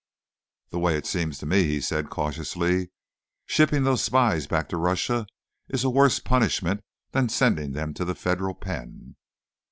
"The way it seems to me," he said cautiously, "shipping those spies back to Russia is a worse punishment than sending them to the federal pen."